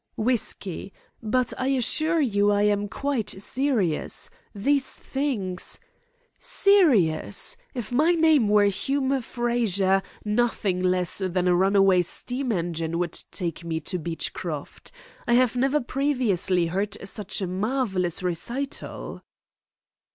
"Whisky. But I assure you I am quite serious. These things " "Serious! If my name were Hume Frazer, nothing less than a runaway steam engine would take me to Beechcroft. I have never previously heard such a marvellous recital."